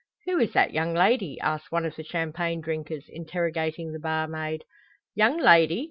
"Who is that young lady?" asks one of the champagne drinkers, interrogating the barmaid. "Young lady!"